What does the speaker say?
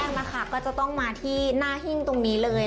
ต้องกำหนดแรกนะคะก็จะต้องมาที่หน้าหิ้นตรงนี้เลย